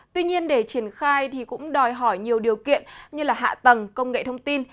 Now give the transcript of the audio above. tuy nhiên để triển khai thì cũng đòi hỏi nhiều điều kiện như hạ tầng công nghệ thông tin